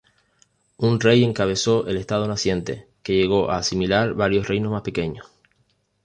Un rey encabezó el estado naciente, que llegó a asimilar varios reinos más pequeños.